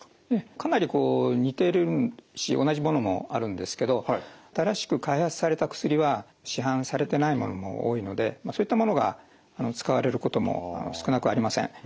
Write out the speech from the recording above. かなりこう似てるし同じものもあるんですけど新しく開発された薬は市販されてないものも多いのでそういったものが使われることも少なくありません。